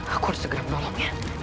aku harus segera menolongnya